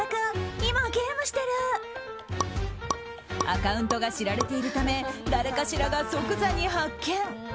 アカウントが知られているため誰かしらが即座に発見。